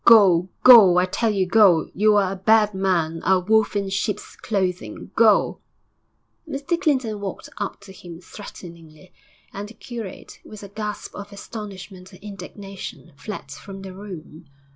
Go! go! I tell you, go! You are a bad man, a wolf in sheep's clothing go!' Mr Clinton walked up to him threateningly, and the curate, with a gasp of astonishment and indignation, fled from the room.